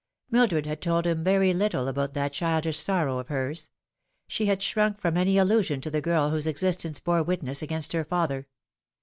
Mildred had told him very little about that childish sorrow of hers. She had shrunk from any allusion to the girl whose existence bore witness against her father.